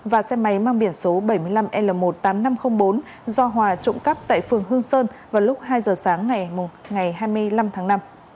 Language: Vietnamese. và xe máy mang biển số bảy mươi năm l một mươi tám nghìn năm trăm linh bốn do hòa trộm cắp tại phường hương sơn vào lúc hai giờ sáng ngày hai mươi năm tháng năm